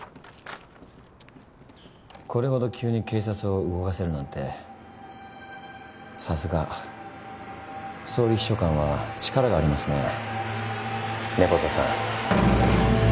これほど急に警察を動かせるなんてさすが総理秘書官は力がありますね猫田さん。